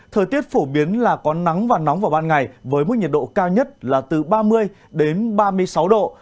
thời tiết phổ biến là có nắng và nóng vào ban ngày với mức nhiệt độ cao nhất là từ ba mươi đến ba mươi sáu độ